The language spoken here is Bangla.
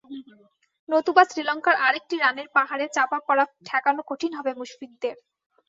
নতুবা শ্রীলঙ্কার আরেকটি রানের পাহাড়ে চাপা পড়া ঠেকানো কঠিন হবে মুশফিকদের।